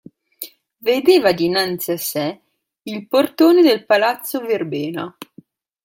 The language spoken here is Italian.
Vedeva dinanzi a sé il portone del palazzo Verbena.